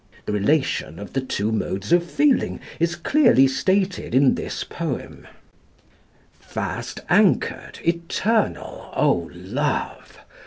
The relation of the two modes of feeling is clearly stated in this poem: "Fast anchored, eternal, O love!